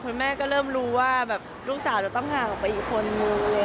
คุณแม่ก็เริ่มรู้ว่าแบบลูกสาวจะต้องห่างออกไปอีกคนนึง